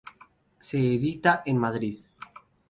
Se edita en Madrid.